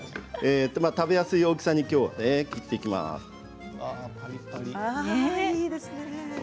食べやすい大きさに切っていきます。